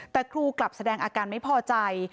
แต่ครูกลับแสดงอาการไม่พอใจ